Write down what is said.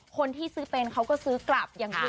คนที่ซื้อเป็นเขาก็ซื้อกลับกับ๑๗